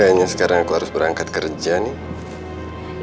kayaknya sekarang aku harus berangkat kerja nih